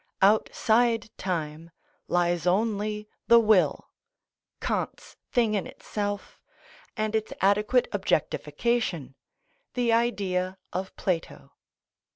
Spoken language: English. Outside time lies only the will, Kant's thing in itself, and its adequate objectification, the Idea of Plato.